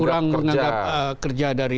kurang menganggap kerja dari